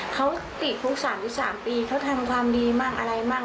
เขาติดพุกสามที่สามปีเขาทำความดีมั่งอะไรมั่ง